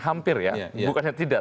hampir ya bukannya tidak